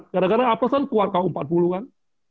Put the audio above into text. gara gara apl kan keluar kaum empat puluh kan